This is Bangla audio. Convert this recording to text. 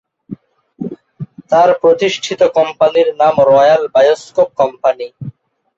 তার প্রতিষ্ঠিত কোম্পানির নাম রয়্যাল বায়োস্কোপ কোম্পানি।